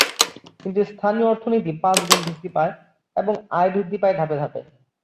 কিন্তু স্থানীয় অর্থনীতি পাঁচগুণ বৃদ্ধি পায় এবং আয় বৃদ্ধি পায় ধাপে ধাপে।